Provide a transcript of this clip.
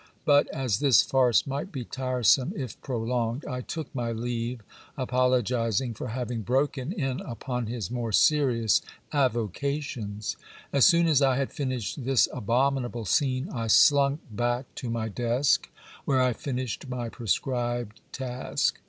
But as this farce might be tiresome if prolonged, I took my leave, apologizing for having broken in upon his more serious avo cations. As soon as 1 had finished this abominable scene, I slunk back to my desk, where I finished my prescribed task.